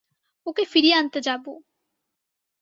ওকে ফিরিয়ে আনতে যাবো।